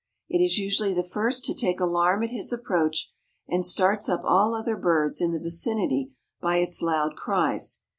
It is usually the first to take alarm at his approach and starts up all other birds in the vicinity by its loud cries.